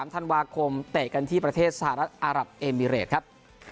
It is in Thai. ๓ธันวาคมเตะกันที่ประเทศสหรัฐอารับเอมิเรตครับ